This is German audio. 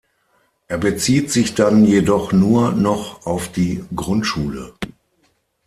Er bezieht sich dann jedoch nur noch auf die Grundschule.